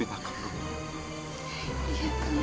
saya tidak tahu rubia